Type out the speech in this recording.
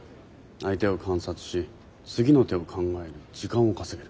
相手を観察し次の手を考える時間を稼げる。